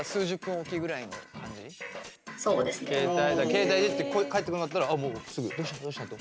携帯いじって返ってこなかったらもうすぐどうしたどうしたって。